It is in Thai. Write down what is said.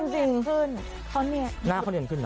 หน้าเขาเนียมขึ้น